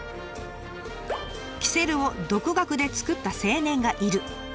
「キセルを独学で作った青年がいる」。